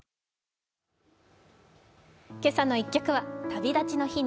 「けさの１曲」は「旅立ちの日に」。